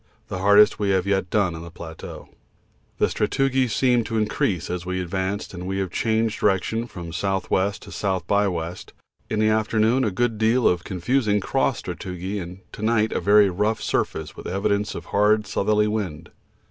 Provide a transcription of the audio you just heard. the hardest we have yet done on the plateau. The sastrugi seemed to increase as we advanced and they have changed direction from S.W. to S. by W. In the afternoon a good deal of confusing cross sastrugi, and to night a very rough surface with evidences of hard southerly wind.